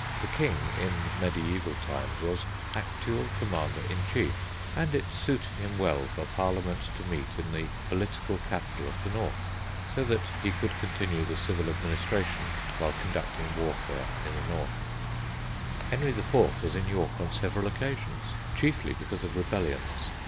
The King, in mediæval times, was actual commander in chief, and it suited him well for Parliament to meet in the political capital of the north, so that he could continue the civil administration while conducting warfare in the north. Henry IV. was in York on several occasions, chiefly because of rebellions.